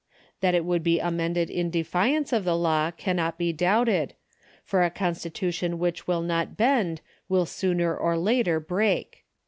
That it would be amended in defiance of the law cannot be doubted, for a constitution which will not bend will sooner or later break.